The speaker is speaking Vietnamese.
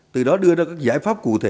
từ đó đưa ra các giải pháp cụ thể